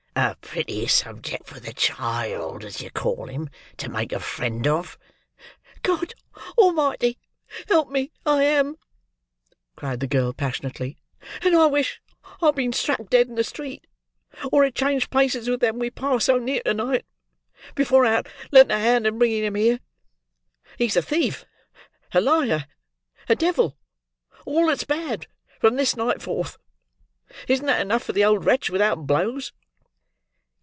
A pretty subject for the child, as you call him, to make a friend of!" "God Almighty help me, I am!" cried the girl passionately; "and I wish I had been struck dead in the street, or had changed places with them we passed so near to night, before I had lent a hand in bringing him here. He's a thief, a liar, a devil, all that's bad, from this night forth. Isn't that enough for the old wretch, without blows?"